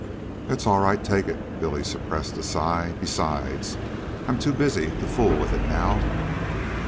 "It's all right, take it." Billy suppressed a sigh. "Besides, I 'm too busy to fool with it now."